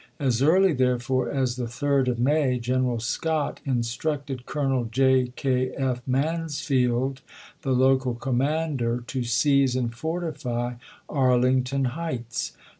As early, therefore, as the 3d of 1861. May, Greneral Scott instructed Colonel J. K. F. Mansfield, the local commander, to seize and fortify Arlington Heights.